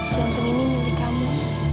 jantung ini milik kamu